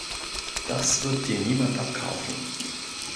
Das wird dir niemand abkaufen.